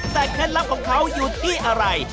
แต่แค่ลักษณ์ของเขาอยู่ที่อะไร